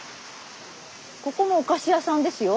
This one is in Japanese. ここもお菓子屋さんですよ。